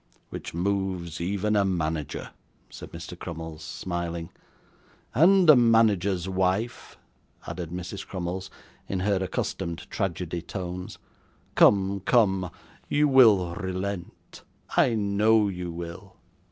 'Which moves even a manager,' said Mr. Crummles, smiling. 'And a manager's wife,' added Mrs. Crummles, in her accustomed tragedy tones. 'Come, come, you will relent, I know you will.